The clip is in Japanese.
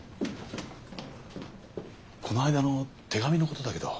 この間の手紙のことだけど。